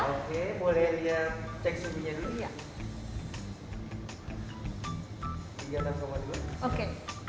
oke boleh lihat cek sumbinya dulu